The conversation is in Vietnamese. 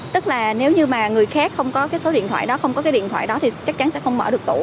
tức là nếu như mà người khác không có cái số điện thoại đó không có cái điện thoại đó thì chắc chắn sẽ không mở được tủ